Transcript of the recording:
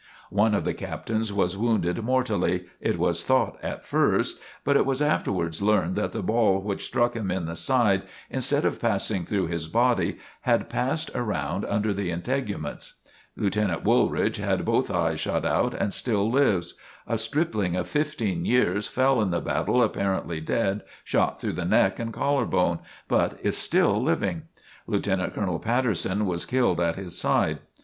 One of the captains was wounded mortally, it was thought at first, but it was afterwards learned that the ball which struck him in the side, instead of passing through his body, had passed around under the integuments. Lieutenant Woolridge had both eyes shot out and still lives. A stripling of fifteen years fell in the battle apparently dead, shot through the neck and collar bone, but is still living. Lieutenant Colonel Patterson was killed at his side.